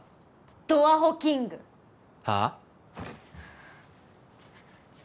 ドアホキングはあ？